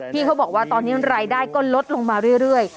เขาบอกว่าตอนนี้รายได้ก็ลดลงมาเรื่อย